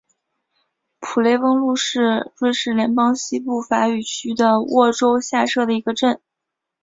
普雷翁路是瑞士联邦西部法语区的沃州下设的一个镇。